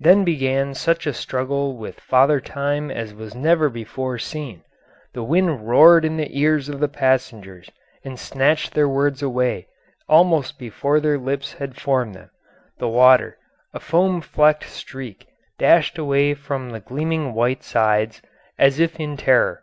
Then began such a struggle with Father Time as was never before seen; the wind roared in the ears of the passengers and snatched their words away almost before their lips had formed them; the water, a foam flecked streak, dashed away from the gleaming white sides as if in terror.